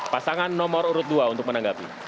pasangan nomor urut dua untuk menanggapi